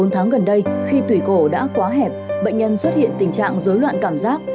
bốn tháng gần đây khi tùy cổ đã quá hẹp bệnh nhân xuất hiện tình trạng dối loạn cảm giác